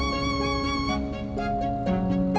bapak juga begitu